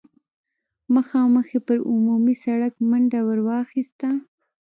مخامخ يې پر عمومي سړک منډه ور واخيسته.